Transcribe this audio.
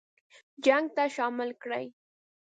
جنګ ته شامل کړي.